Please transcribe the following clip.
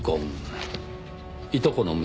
いとこの娘だ」と。